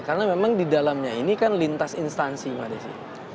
karena memang di dalamnya ini kan lintas instansi mbak desi